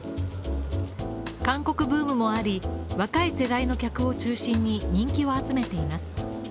韓国ブームもあり、若い世代の客を中心に人気を集めています。